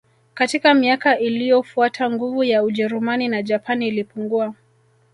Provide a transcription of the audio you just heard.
Katika miaka iliyofuata nguvu ya Ujerumani na Japani ilipungua